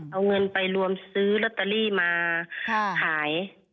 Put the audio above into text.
เอาเงินไปรวมซื้อลอตเตอรี่มาขาย